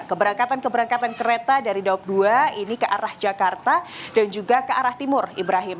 keberangkatan keberangkatan kereta dari daup dua ini ke arah jakarta dan juga ke arah timur ibrahim